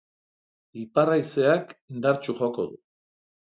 Ipar-haizeak indartsu joko du.